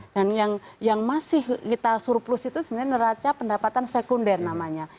dan yang masih kita surplus itu sebenarnya neraca pendapatan sekunder namanya